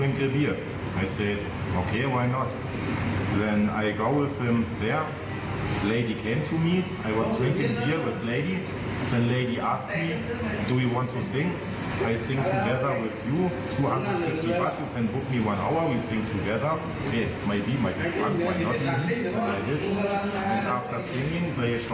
ในส่วนที่เกิดเหตุการณ์